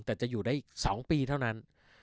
แต่จะอยู่ได้อีก๒ปีเท่านั้น